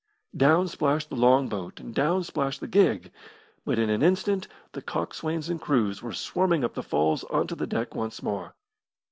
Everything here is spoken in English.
Down splashed the long boat and down splashed the gig, but in an instant the coxswains and crews were swarming up the falls on to the deck once more.